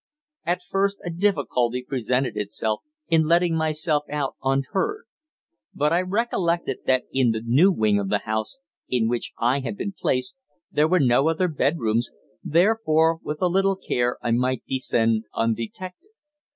At first a difficulty presented itself in letting myself out unheard; but I recollected that in the new wing of the house, in which I had been placed, there were no other bedrooms, therefore with a little care I might descend undetected.